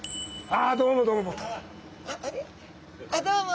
あっどうも。